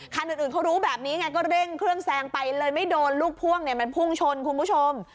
คันอื่นเขารู้แบบนี้ไงก็เร่งเครื่องแซงไปเลยไม่โดนลูกพ่วงเนี่ยมันพุ่งชนคุณผู้ชม